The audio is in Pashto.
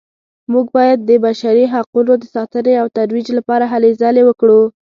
موږ باید د بشري حقونو د ساتنې او ترویج لپاره هلې ځلې وکړو